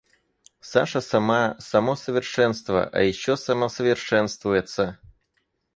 Саша сама — само совершенство, а ещё самосовершенствуется!